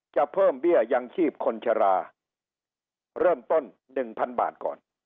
จะเพิ่มเบี้ยยังชีพคนชราเริ่มต้นหนึ่งพันบาทก่อน